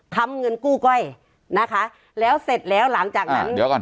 เงินกู้ก้อยนะคะแล้วเสร็จแล้วหลังจากนั้นเดี๋ยวก่อน